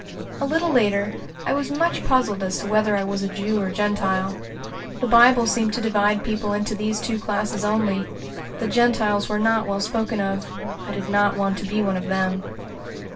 A little later, I was much puzzled as to whether I was a Jew or Gentile. The Bible seemed to divide people into these two classes only. The Gentiles were not well spoken of: I did not want to be one of them.